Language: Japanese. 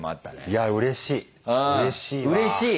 いやうれしい。